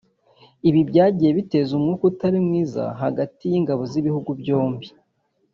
Ibi byagiye biteza umwuka utari mwiza hagati y’ingabo z’ibihugu byombi